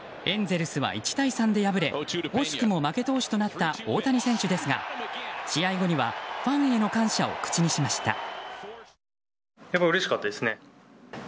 エンゼルスは１対３で敗れ惜しくも負け投手となった大谷選手ですが試合後にはファンへの感謝を口にしました。